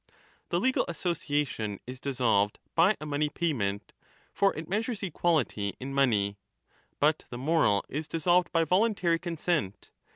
The legal association is dissolved by a money payment (for it measures equality in money), but the moral is dissolved by voluntary consent.